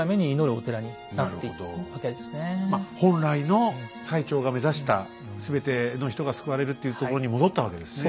ですから本来の最澄が目指したすべての人が救われるっていうところに戻ったわけですね。